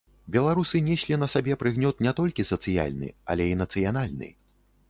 Беларусы неслі на сабе прыгнёт не толькі сацыяльны, але і нацыянальны.